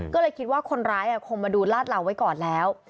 ก็เลยคิดว่าคนร้ายคงมาดูลาดเหลาไว้ก่อนแล้ว